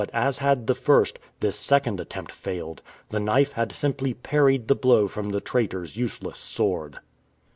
But as had the first, this second attempt failed. The knife had simply parried the blow from the traitor's useless sword.